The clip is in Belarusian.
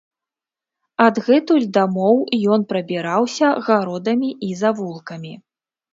Адгэтуль дамоў ён прабіраўся гародамі і завулкамі.